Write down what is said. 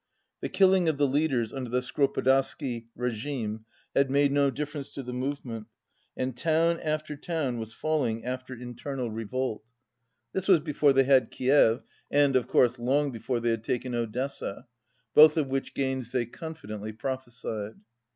The killing of the leaders under the Skoropadsky re gime had made no difference to the movement, and town after town was falling after internal 215 revolt. (This was before they had Kiev and, of course, long before they had taken Odessa, both of which gains they confidently prophesied.)